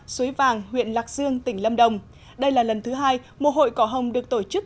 suối vàng huyện lạc dương tỉnh lâm đồng đây là lần thứ hai mùa hội cỏ hồng được tổ chức